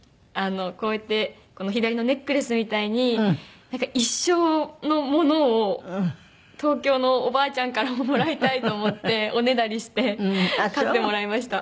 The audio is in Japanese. こうやって左のネックレスみたいに一生のものを東京のおばあちゃんからももらいたいと思っておねだりして買ってもらいました。